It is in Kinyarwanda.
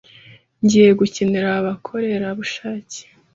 Ngiye gukenera abakorerabushake.